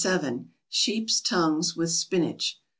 =Sheep's Tongues with Spinach.